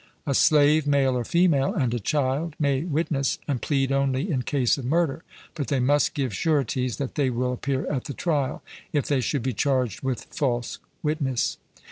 A slave, male or female, and a child may witness and plead only in case of murder, but they must give sureties that they will appear at the trial, if they should be charged with false witness.